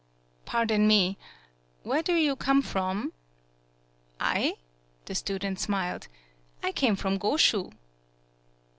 "Pardon me. Where do you come from?" "I?" the student smiled. "I came from Goshu."